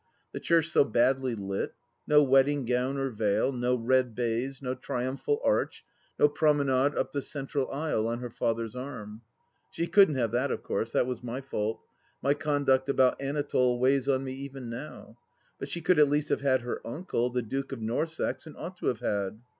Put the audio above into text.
The church so badly lit ; no wedding gown or veil ; no red baize ; no triimiphal arch ; no promenade up the central aisle on her father's arm I She couldn't have that, of course — that was my fault; my conduct about Anatole weighs on me even now — ^but she could at least have had her uncle, the Duke of Norssex, and ought to have had.